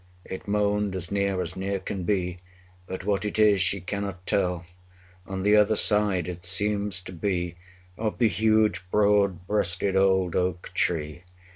It moaned as near, as near can be, But what it is she cannot tell. 40 On the other side it seems to be, Of the huge, broad breasted, old oak tree.